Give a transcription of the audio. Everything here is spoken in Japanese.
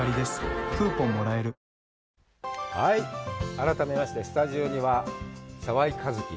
改めまして、スタジオには澤井一希。